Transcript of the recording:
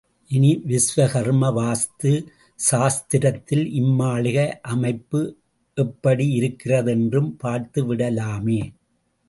இனி விஸ்வகர்ம வாஸ்து சாஸ்திரத்தில் இம்மாளிகை அமைப்பு எப்படி இருக்கிறது என்றும் பார்த்துவிடலாமே!